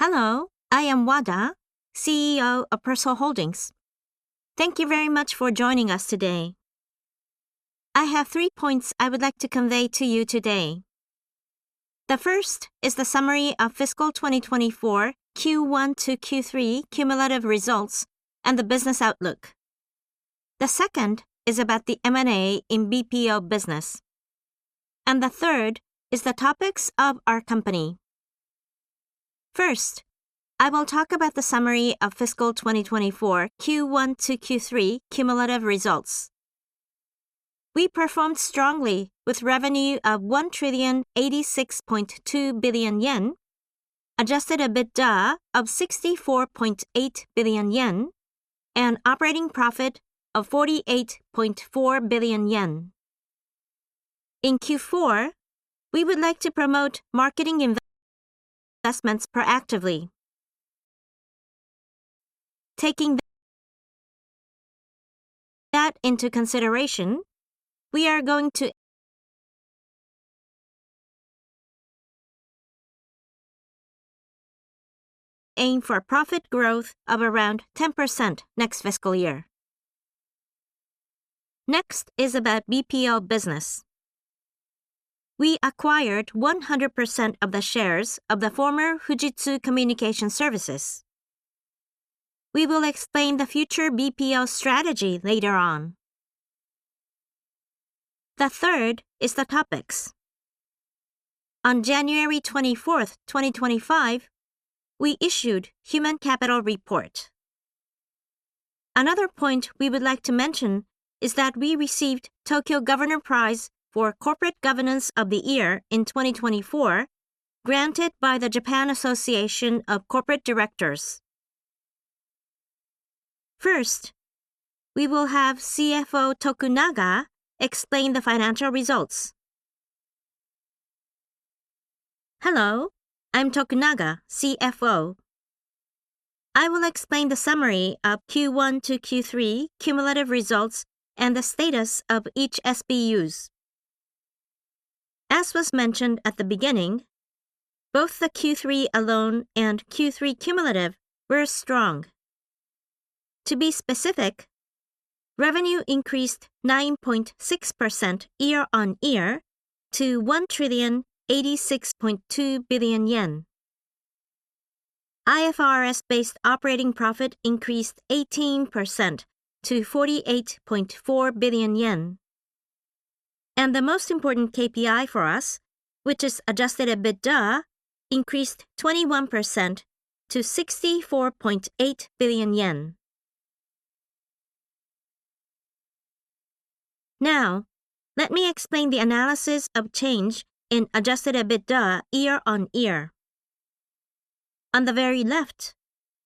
Hello, I am Wada, CEO of Persol Holdings. Thank you very much for joining us today. I have three points I would like to convey to you today. The first is the summary of fiscal 2024 Q1 to Q3 cumulative results and the business outlook. The second is about the M&A in BPO business. And the third is the topics of our company. First, I will talk about the summary of fiscal 2024 Q1 to Q3 cumulative results. We performed strongly with revenue of 1 trillion 86.2 billion, Adjusted EBITDA of 64.8 billion yen, and operating profit of 48.4 billion yen. In Q4, we would like to promote marketing investments proactively. Taking that into consideration, we are going to aim for a profit growth of around 10% next fiscal year. Next is about BPO business. We acquired 100% of the shares of the former Fujitsu Communication Services. We will explain the future BPO strategy later on. The third is the topics. On January 24th, 2025, we issued Human Capital Report. Another point we would like to mention is that we received Tokyo Governor Prize for Corporate Governance of the Year in 2024, granted by the Japan Association of Corporate Directors. First, we will have CFO Tokunaga explain the financial results. Hello, I'm Tokunaga, CFO. I will explain the summary of Q1 to Q3 cumulative results and the status of each SBUs. As was mentioned at the beginning, both the Q3 alone and Q3 cumulative were strong. To be specific, revenue increased 9.6% year-on-year to 1 trillion 86.2 billion. IFRS-based operating profit increased 18% to 48.4 billion yen. And the most important KPI for us, which is Adjusted EBITDA, increased 21% to JPY 64.8 billion. Now, let me explain the analysis of change in Adjusted EBITDA year-on-year. On the very left,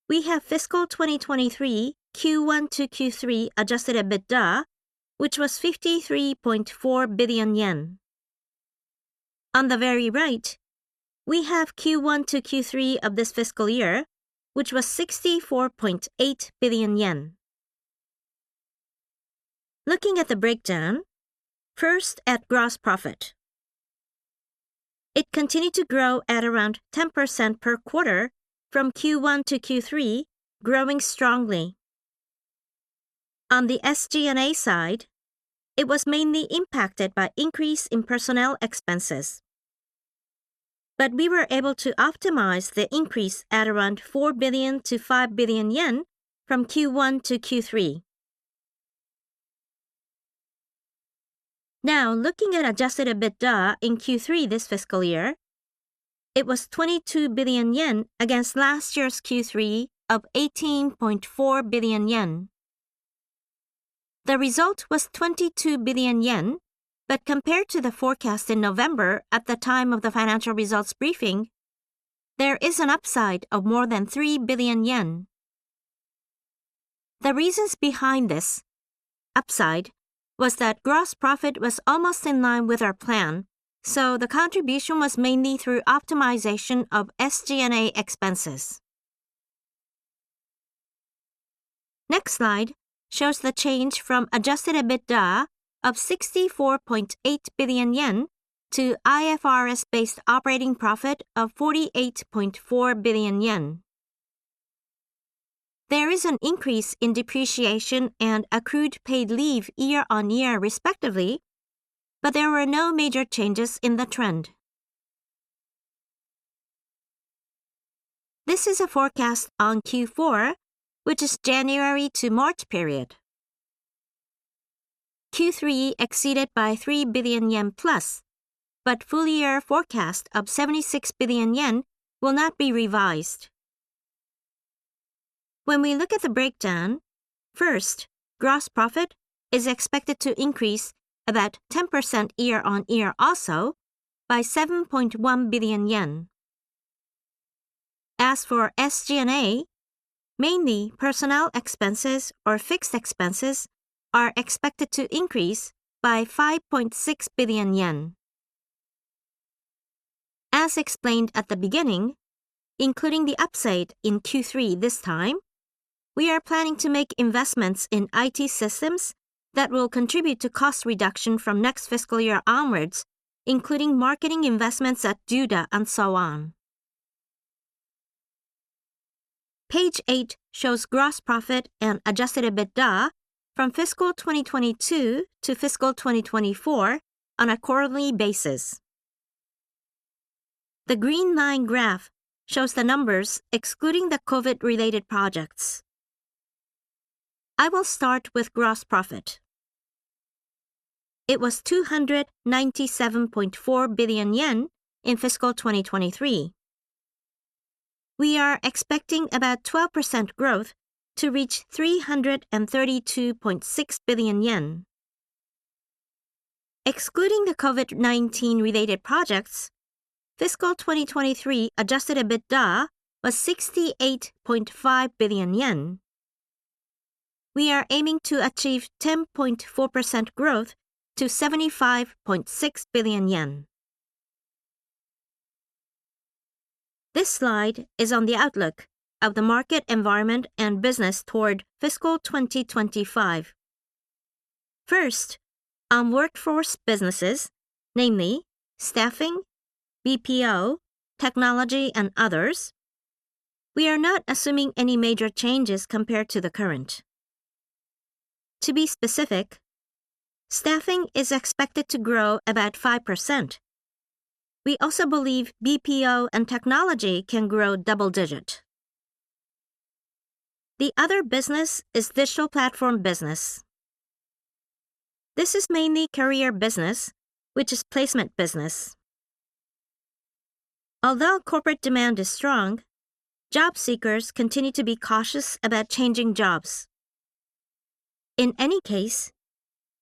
we have fiscal 2023 Q1 to Q3 Adjusted EBITDA, which was 53.4 billion yen. On the very right, we have Q1 to Q3 of this fiscal year, which was 64.8 billion yen. Looking at the breakdown, first at gross profit. It continued to grow at around 10% per quarter from Q1 to Q3, growing strongly. On the SG&A side, it was mainly impacted by increase in personnel expenses. But we were able to optimize the increase at around 4 billion-5 billion yen from Q1 to Q3. Now, looking at Adjusted EBITDA in Q3 this fiscal year, it was 22 billion yen against last year's Q3 of 18.4 billion yen. The result was 22 billion yen, but compared to the forecast in November at the time of the financial results briefing, there is an upside of more than 3 billion yen. The reasons behind this upside was that gross profit was almost in line with our plan, so the contribution was mainly through optimization of SG&A expenses. Next slide shows the change from Adjusted EBITDA of 64.8 billion yen to IFRS-based operating profit of 48.4 billion yen. There is an increase in depreciation and accrued paid leave year-on-year respectively, but there were no major changes in the trend. This is a forecast on Q4, which is January to March period. Q3 exceeded by 3 billion yen+, but full-year forecast of 76 billion yen will not be revised. When we look at the breakdown, first, gross profit is expected to increase about 10% year-on-year also by 7.1 billion yen. As for SG&A, mainly personnel expenses or fixed expenses are expected to increase by 5.6 billion yen. As explained at the beginning, including the upside in Q3 this time, we are planning to make investments in IT systems that will contribute to cost reduction from next fiscal year onwards, including marketing investments at doda and so on. Page 8 shows gross profit and Adjusted EBITDA from fiscal 2022 to fiscal 2024 on a quarterly basis. The green line graph shows the numbers excluding the COVID-related projects. I will start with gross profit. It was 297.4 billion yen in fiscal 2023. We are expecting about 12% growth to reach 332.6 billion yen. Excluding the COVID-19-related projects, fiscal 2023 Adjusted EBITDA was 68.5 billion yen. We are aiming to achieve 10.4% growth to JPY 75.6 billion. This slide is on the outlook of the market environment and business toward fiscal 2025. First, on workforce businesses, namely staffing, BPO, technology, and others, we are not assuming any major changes compared to the current. To be specific, staffing is expected to grow about 5%. We also believe BPO and technology can grow double-digit. The other business is digital platform business. This is mainly career business, which is placement business. Although corporate demand is strong, job seekers continue to be cautious about changing jobs. In any case,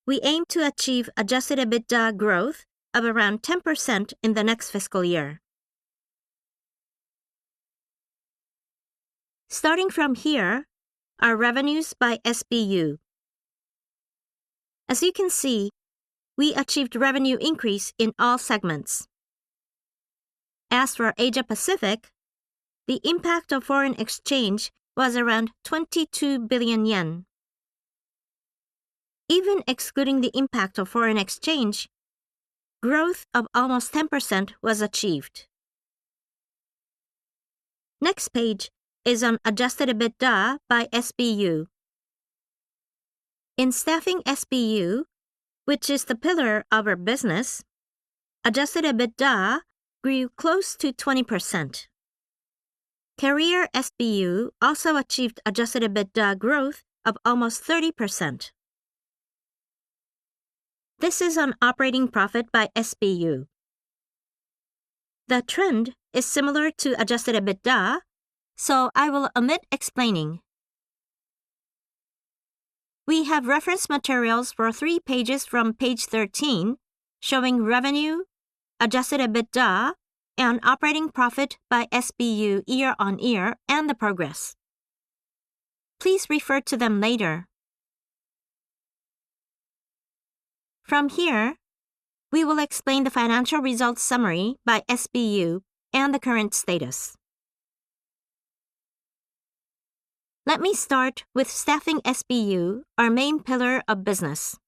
we aim to achieve Adjusted EBITDA growth of around 10% in the next fiscal year. Starting from here, our revenues by SBU. As you can see, we achieved revenue increase in all segments. As for Asia-Pacific, the impact of foreign exchange was around 22 billion yen. Even excluding the impact of foreign exchange, growth of almost 10% was achieved. Next page is on Adjusted EBITDA by SBU. In Staffing SBU, which is the pillar of our business, Adjusted EBITDA grew close to 20%. Career SBU also achieved Adjusted EBITDA growth of almost 30%. This is on operating profit by SBU. The trend is similar to Adjusted EBITDA, so I will omit explaining. We have reference materials for three pages from page 13 showing revenue, Adjusted EBITDA, and operating profit by SBU year-on-year and the progress. Please refer to them later. From here, we will explain the financial results summary by SBU and the current status. Let me start with Staffing SBU, our main pillar of business.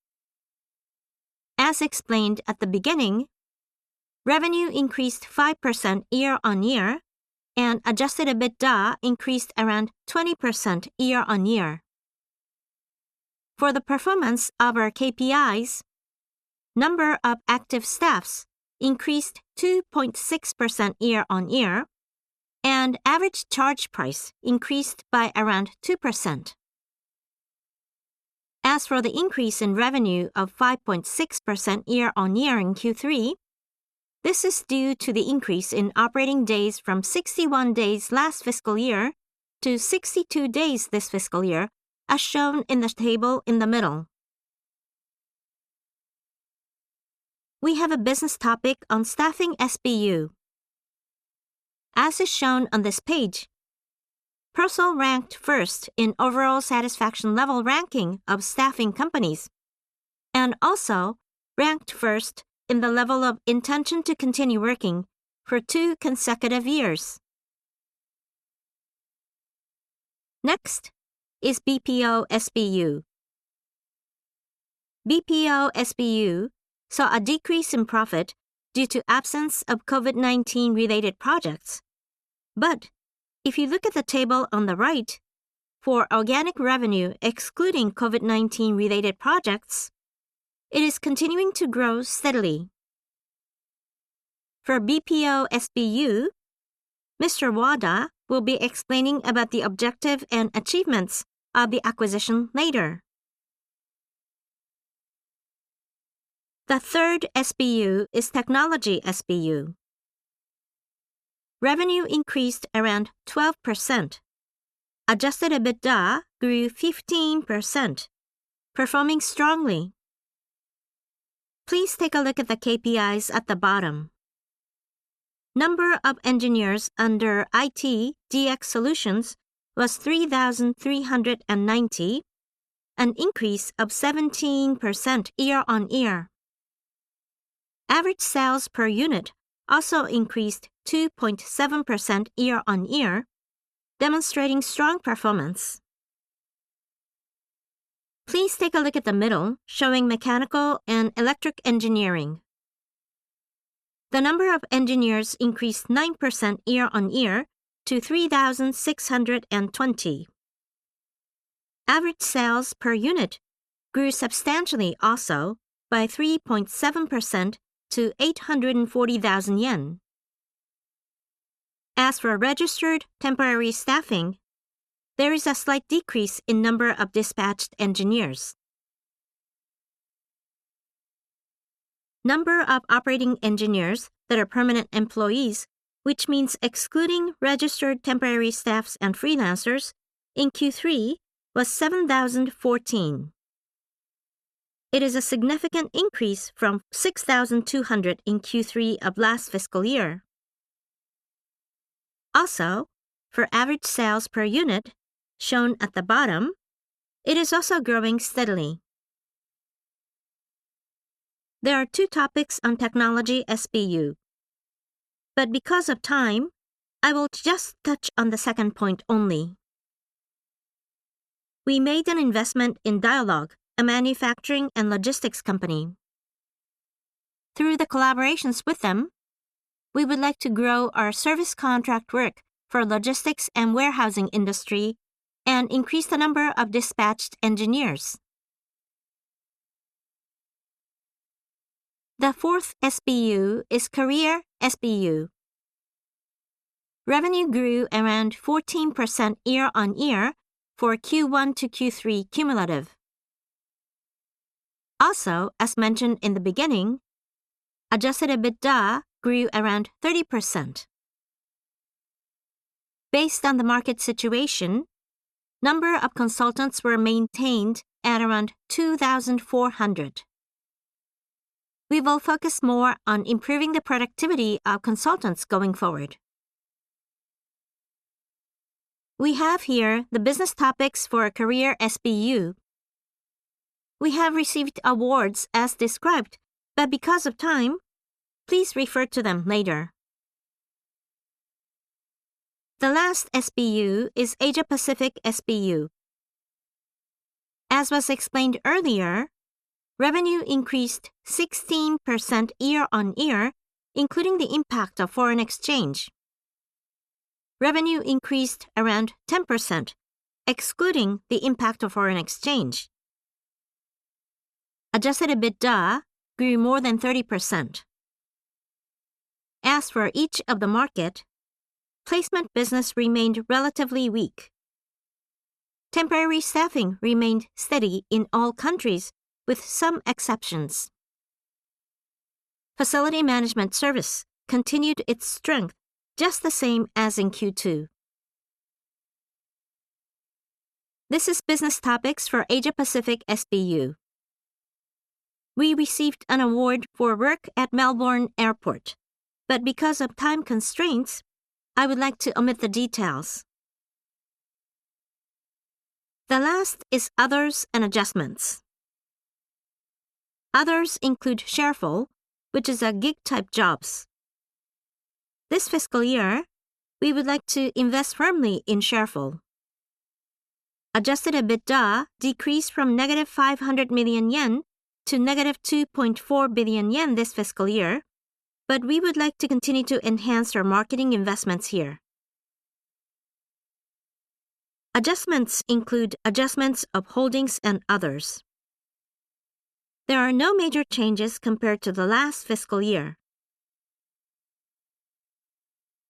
As explained at the beginning, revenue increased 5% year-on-year, and Adjusted EBITDA increased around 20% year-on-year. For the performance of our KPIs, number of active staffs increased 2.6% year-on-year, and average charge price increased by around 2%. As for the increase in revenue of 5.6% year-on-year in Q3, this is due to the increase in operating days from 61 days last fiscal year to 62 days this fiscal year, as shown in the table in the middle. We have a business topic on staffing SBU. As is shown on this page, Persol ranked first in overall satisfaction level ranking of staffing companies and also ranked first in the level of intention to continue working for two consecutive years. Next is BPO SBU. BPO SBU saw a decrease in profit due to absence of COVID-19-related projects. But if you look at the table on the right, for organic revenue excluding COVID-19-related projects, it is continuing to grow steadily. For BPO SBU, Mr. Wada will be explaining about the objective and achievements of the acquisition later. The third SBU is Technology SBU. Revenue increased around 12%. Adjusted EBITDA grew 15%, performing strongly. Please take a look at the KPIs at the bottom. Number of engineers under IT DX Solutions was 3,390, an increase of 17% year-on-year. Average sales per unit also increased 2.7% year-on-year, demonstrating strong performance. Please take a look at the middle showing Mechanical and Electric Engineering. The number of engineers increased 9% year-on-year to 3,620. Average sales per unit grew substantially also by 3.7% to 840,000 yen. As for registered temporary staffing, there is a slight decrease in number of dispatched engineers. Number of operating engineers that are permanent employees, which means excluding registered temporary staffs and freelancers, in Q3 was 7,014. It is a significant increase from 6,200 in Q3 of last fiscal year. Also, for average sales per unit shown at the bottom, it is also growing steadily. There are two topics on technology SBU, but because of time, I will just touch on the second point only. We made an investment in Dialog, a manufacturing and logistics company. Through the collaborations with them, we would like to grow our service contract work for logistics and warehousing industry and increase the number of dispatched engineers. The fourth SBU is Career SBU. Revenue grew around 14% year-on-year for Q1 to Q3 cumulative. Also, as mentioned in the beginning, Adjusted EBITDA grew around 30%. Based on the market situation, number of consultants were maintained at around 2,400. We will focus more on improving the productivity of consultants going forward. We have here the business topics for a Career SBU. We have received awards as described, but because of time, please refer to them later. The last SBU is Asia-Pacific SBU. As was explained earlier, revenue increased 16% year-on-year, including the impact of foreign exchange. Revenue increased around 10%, excluding the impact of foreign exchange. Adjusted EBITDA grew more than 30%. As for each of the market, placement business remained relatively weak. Temporary staffing remained steady in all countries with some exceptions. Facility management service continued its strength just the same as in Q2. This is business topics for Asia-Pacific SBU. We received an award for work at Melbourne Airport, but because of time constraints, I would like to omit the details. The last is others and adjustments. Others include Sharefull, which is a gig-type jobs. This fiscal year, we would like to invest firmly in Sharefull. Adjusted EBITDA decreased from -500 million yen to -2.4 billion yen this fiscal year, but we would like to continue to enhance our marketing investments here. Adjustments include adjustments of holdings and others. There are no major changes compared to the last fiscal year.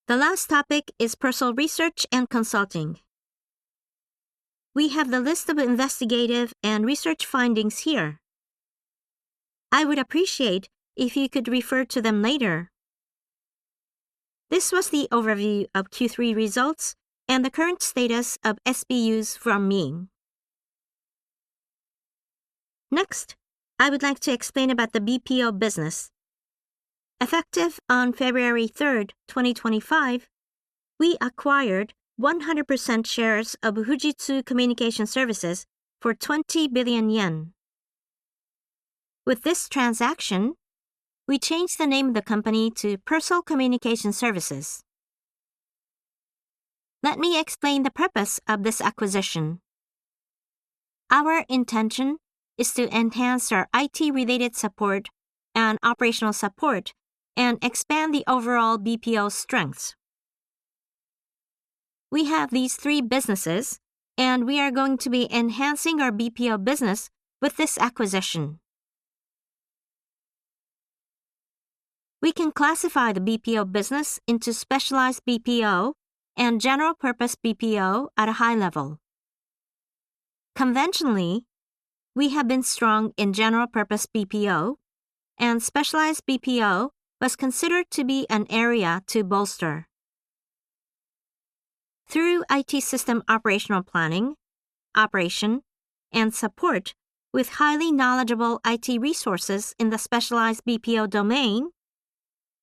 The last topic is Persol Research and Consulting. We have the list of investigative and research findings here. I would appreciate if you could refer to them later. This was the overview of Q3 results and the current status of SBUs from me. Next, I would like to explain about the BPO business. Effective on February 3rd, 2025, we acquired 100% shares of Fujitsu Communication Services for 20 billion yen. With this transaction, we changed the name of the company to Persol Communication Services. Let me explain the purpose of this acquisition. Our intention is to enhance our IT-related support and operational support and expand the overall BPO strength. We have these three businesses, and we are going to be enhancing our BPO business with this acquisition. We can classify the BPO business into specialized BPO and general purpose BPO at a high level. Conventionally, we have been strong in general purpose BPO, and specialized BPO was considered to be an area to bolster. Through IT system operational planning, operation, and support with highly knowledgeable IT resources in the specialized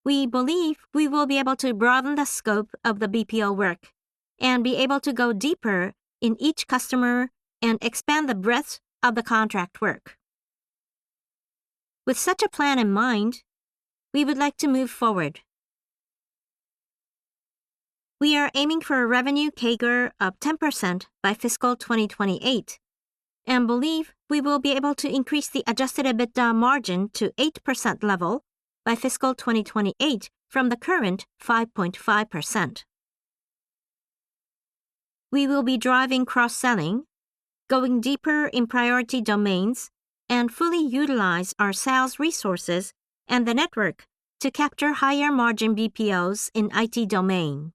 BPO domain, we believe we will be able to broaden the scope of the BPO work and be able to go deeper in each customer and expand the breadth of the contract work. With such a plan in mind, we would like to move forward. We are aiming for a revenue CAGR of 10% by fiscal 2028 and believe we will be able to increase the Adjusted EBITDA margin to 8% level by fiscal 2028 from the current 5.5%. We will be driving cross-selling, going deeper in priority domains, and fully utilize our sales resources and the network to capture higher margin BPOs in IT domain.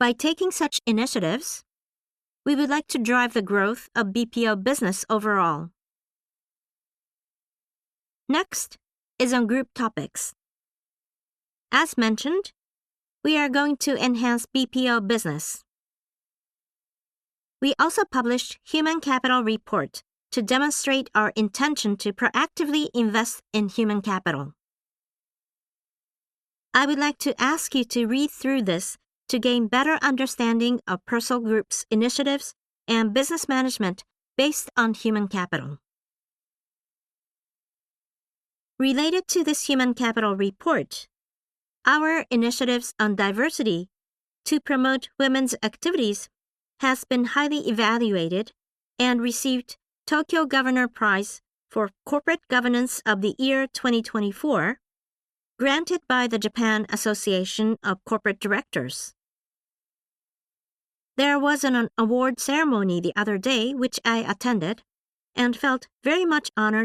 By taking such initiatives, we would like to drive the growth of BPO business overall. Next is on group topics. As mentioned, we are going to enhance BPO business. We also published a human capital report to demonstrate our intention to proactively invest in human capital. I would like to ask you to read through this to gain better understanding of Persol Group's initiatives and business management based on human capital. Related to this human capital report, our initiatives on diversity to promote women's activities have been highly evaluated and received the Tokyo Governor Prize for Corporate Governance of the Year 2024, granted by the Japan Association of Corporate Directors. There was an award ceremony the other day which I attended and felt very much honored.